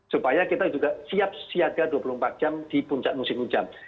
supaya kita juga siap siaga dua puluh empat jam di puncak musim hujan